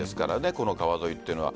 この川沿いというのは。